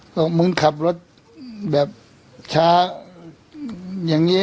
คือเค้ากำลังกินรถแบบช้า